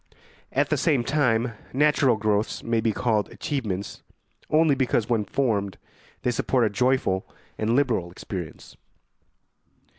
At the same time, natural growths may be called achievements only because, when formed, they support a joyful and liberal experience.